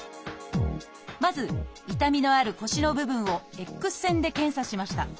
まず痛みのある腰の部分をＸ線で検査しました。